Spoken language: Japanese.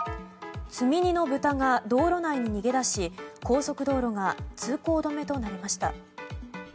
積み荷のブタが道路内に逃げ出し高速道路が通行止めとなりました。